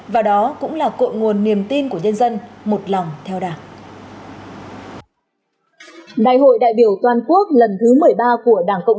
và đó cũng là cộng nguồn niềm tin của nhân dân một lòng theo đảng